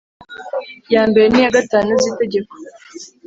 ya mbere n iya gatanu z Itegeko